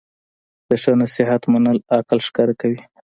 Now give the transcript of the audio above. د ښه نصیحت منل عقل ښکاره کوي.